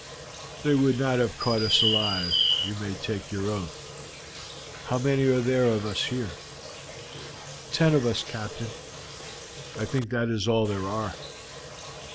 "They would not have caught us alive, you may take your oath. How many are there of us here?" "Ten of us, Captain. I think that that is all there are."